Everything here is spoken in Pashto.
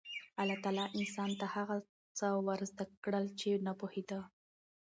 الله تعالی انسان ته هغه څه ور زده کړل چې نه پوهېده.